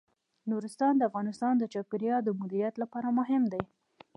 نورستان د افغانستان د چاپیریال د مدیریت لپاره مهم دي.